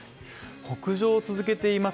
北上を続けています